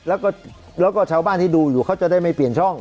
แล้วก็แล้วก็เช้าบ้านที่ดูอยู่เขาจะไม่เปลี่ยนช่อง